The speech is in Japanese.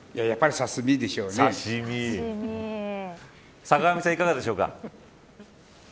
坂上さん、いかがでしょうか。